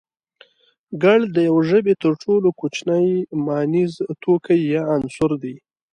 گړ د يوې ژبې تر ټولو کوچنی مانيز توکی يا عنصر دی